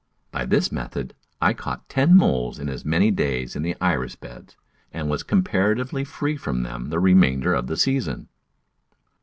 By this method I caught ten moles in as many days in the Iris beds, and was comparatively free from them the remainder of the season.